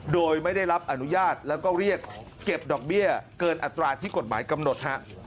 โดยไม่ได้รับอนุญาตแล้วก็เรียกเก็บดอกเบี้ยเกินอัตราที่กฎหมายกำหนด